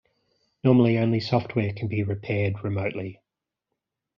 Normally, only software can be "repaired" remotely.